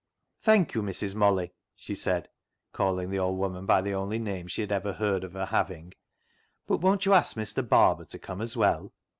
" Thank you, Mrs. Molly," she said, calling the old woman by the only name she had ever heard of her having, " but won't you ask Mr. Barber to come as well